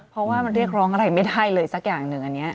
เพราะว่ามันเรียกร้องอะไรไม่ได้เลยสักอย่างหนึ่งอันนี้